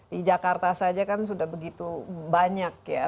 di jakarta saja kan sudah begitu banyak ya